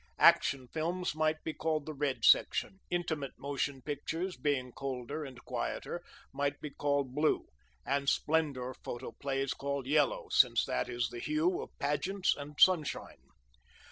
Action Films might be called the red section; Intimate Motion Pictures, being colder and quieter, might be called blue; and Splendor Photoplays called yellow, since that is the hue of pageants and sunshine.